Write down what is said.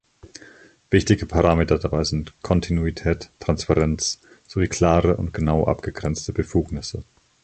Wichtige Parameter dabei sind Kontinuität, Transparenz sowie klare und genau abgegrenzte Befugnisse.